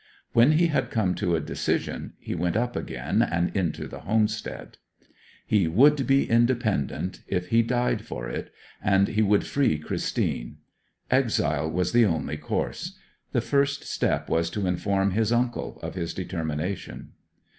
When he had come to a decision he went up again into the homestead. He would be independent, if he died for it, and he would free Christine. Exile was the only course. The first step was to inform his uncle of his determination.